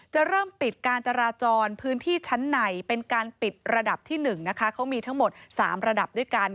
จะเริ่มปิดการจราจรพื้นที่ชั้นในเป็นการปิดระดับที่๑นะคะเขามีทั้งหมด๓ระดับด้วยกัน